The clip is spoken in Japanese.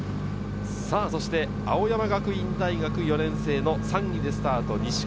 さぁそして青山学院大学４年生、３位でスタート西川